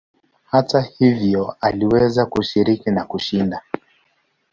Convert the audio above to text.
Hata hivyo aliweza kushiriki na kushinda.